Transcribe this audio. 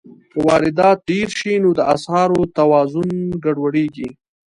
که واردات ډېر شي، نو د اسعارو توازن ګډوډېږي.